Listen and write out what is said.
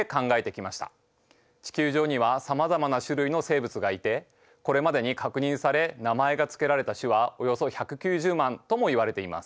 地球上にはさまざまな種類の生物がいてこれまでに確認され名前がつけられた種はおよそ１９０万ともいわれています。